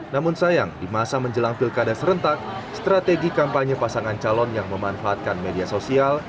namun sayang di masa menjelang pilkada serentak strategi kampanye pasangan calon yang memanfaatkan media sosial